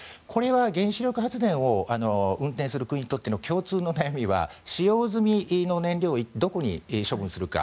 原子力発電を運転する国にとっての共通の悩みは使用済みの燃料をどこに処分するか。